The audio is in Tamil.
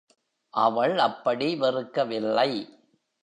அவள் அப்படி வெறுக்கவில்லை.